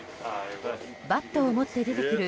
バットを持って出てくる